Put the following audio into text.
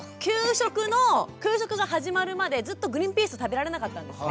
給食が始まるまでずっとグリンピース食べられなかったんですね。